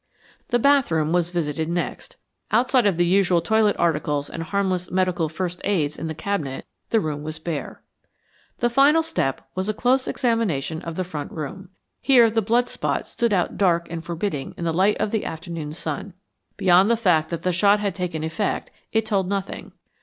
The bathroom was visited next. Outside of the usual toilet articles and harmless medical "first aids" in the cabinet, the room was bare. The final step was a close examination of the front room. Here the blood spot stood out dark and forbidding in the light of the afternoon sun. Beyond the fact that the shot had taken effect, it told nothing.